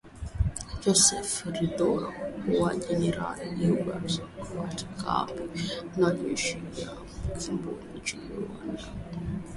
Joseph Rurindo na Jenerali Eugene Nkubito kutoka kambi ya kijeshi ya Kibungo nchini Rwanda